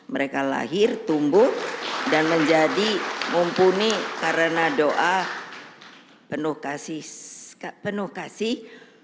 mereka lahir tumbuh dan menjadi mumpuni karena doa penuh kasih